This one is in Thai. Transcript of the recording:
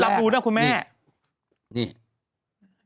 คุณแม่เลิฟดูนะคุณแม่้ะเห็นไหม